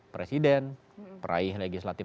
presiden peraih legislatif